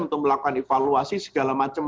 untuk melakukan evaluasi segala macam